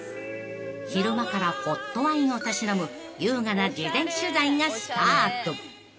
［昼間からホットワインをたしなむ優雅な事前取材がスタート］